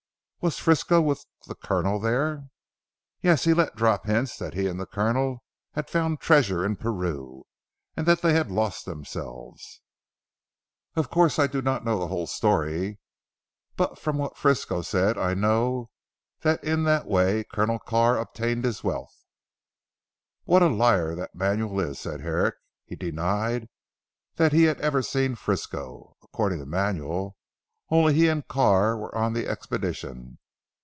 "Was Frisco with the Colonel there?" "Yes. He let drop hints that he and the Colonel had found treasure in Peru, and that they had lost themselves. Of course I do not know the whole story. But from what Frisco said I know it was in that way Colonel Carr obtained his wealth." "What a liar that Manuel is!" said Herrick. "He denied that he had ever seen Frisco, According to Manuel only he and Carr were on the expedition.